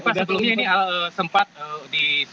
pak sebelumnya ini sempat disuruh